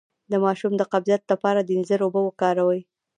د ماشوم د قبضیت لپاره د انځر اوبه ورکړئ